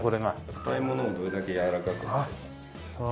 硬いものをどれだけやわらかく見せるか。